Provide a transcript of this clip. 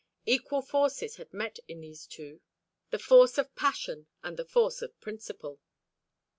Equal forces had met in these two the force of passion and the force of principle.